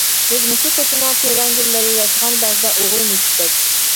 بىز مۇشۇ كوچىنىڭ كۆلەڭگىلىرى، ياشىغان بەزىدە ئوغرى مۈشۈكتەك.